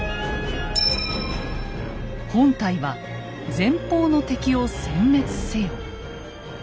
「本隊は前方の敵をせん滅せよ」。